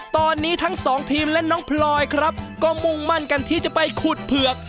ตอนนี้ทั้งสองทีมและน้องพลอยครับก็มุ่งมั่นกันที่จะไปขุดเผือก